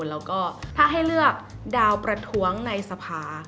แล้วก็ถ้าให้เลือกดาวประท้วงในสภา